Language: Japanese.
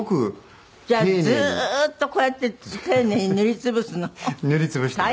じゃあずーっとこうやって丁寧に塗り潰すの？